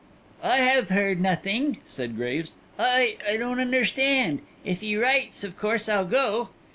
"I have heard nothing," said Graves. "I I don't understand. If he writes of course I'll go."